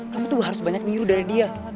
kamu tuh harus banyak nyuruh dari dia